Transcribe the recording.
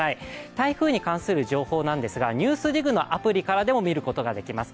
台風に関する情報なんですが「ＮＥＷＳＤＩＧ」のアプリからでも見ることができます。